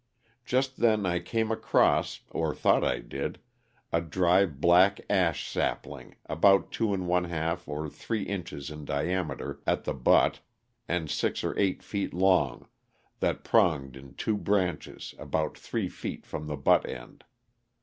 Just then I came across, or thought I did, a dry black ash sapling about two and one half or three inches in diameter at the butt and six or eight feet long, that pronged in two branches about three feet from the butt end.